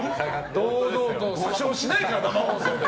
堂々と詐称しないから生放送で。